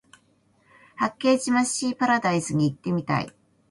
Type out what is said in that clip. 八景島シーパラダイスに行ってみたい